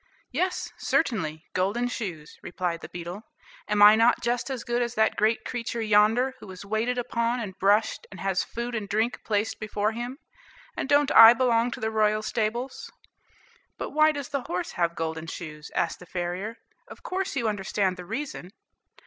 "Yes, certainly; golden shoes," replied the beetle. "Am I not just as good as that great creature yonder, who is waited upon and brushed, and has food and drink placed before him? And don't I belong to the royal stables?" "But why does the horse have golden shoes?" asked the farrier; "of course you understand the reason?"